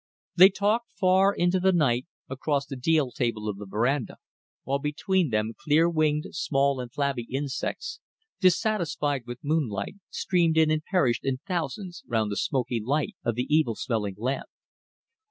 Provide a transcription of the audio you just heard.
They talked far into the night, across the deal table on the verandah, while, between them, clear winged, small, and flabby insects, dissatisfied with moonlight, streamed in and perished in thousands round the smoky light of the evil smelling lamp.